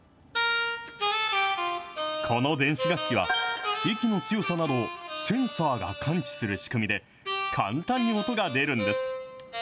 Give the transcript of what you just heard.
この電子楽器は、息の強さなどをセンサーが感知する仕組みで、簡単に音が出るんです。